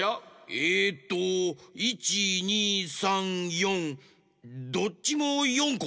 えっと１２３４どっちも４こ？